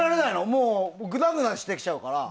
もうグダグダしてきちゃうから。